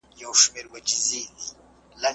يا يوه ميرمن خپله شپه خاوند او ټولو بنو ته هبه کړي.